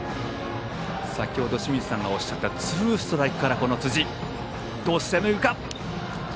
先程清水さんがおっしゃったツーストライクから辻、どうするか。